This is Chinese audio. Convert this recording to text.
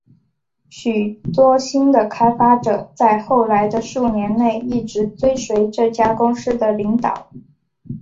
许多新的开发者在后来的数年内一直追随这家公司的领导。